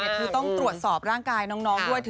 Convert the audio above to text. อย่างนึกต้องตรวจสอบร่างกายน้องด้วย